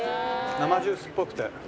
生ジュースっぽくて。